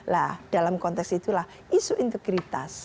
nah dalam konteks itulah isu integritas